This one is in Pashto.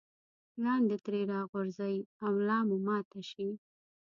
لاندې ترې راوغورځئ او ملا مو ماته شي.